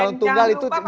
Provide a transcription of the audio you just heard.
dan jangan lupa